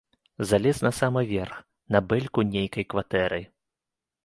Залез на самы верх, на бэльку нейкай кватэры.